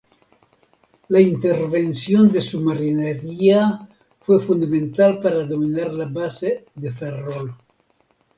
La intervención de su marinería fue fundamental para dominar la base de Ferrol.